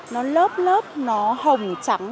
nó lớp lớp nó hồng trắng